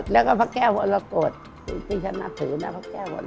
แล้วก็พระแก้วอรกฏอันนี้ชั้นน่าถือนะ